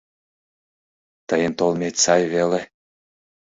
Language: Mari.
Тыйын толмет сай веле.